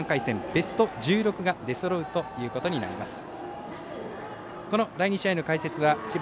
ベスト１６が出そろうということになります。